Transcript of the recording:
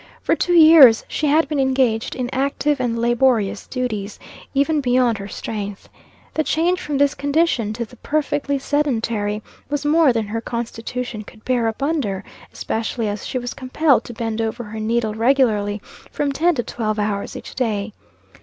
For two years she had been engaged in active and laborious duties, even beyond her strength. The change from this condition to the perfectly sedentary, was more than her constitution could bear up under, especially as she was compelled to bend over her needle regularly, from ten to twelve hours each day.